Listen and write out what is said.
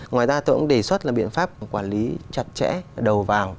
ngoài ra tôi cũng đề xuất là biện pháp quản lý chặt chẽ đầu vào